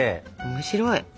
面白い！